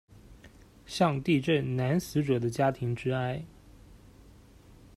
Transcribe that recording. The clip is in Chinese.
向地震男死者的家庭致哀。